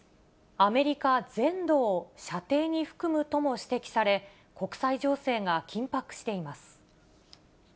アメリカ全土を射程に含むとも指摘され、国際情勢が緊迫しています。